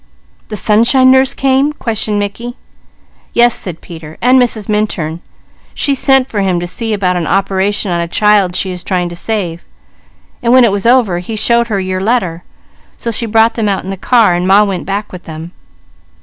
"The Sunshine Nurse came?" questioned Mickey. "Yes," said Peter, "and Mrs. Minturn. She sent for him to see about an operation on a child she is trying to save, so when it was over, he showed her your letter. She brought them out in her car, and Ma went back with them."